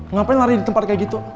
ngapain lari di tempat kayak gitu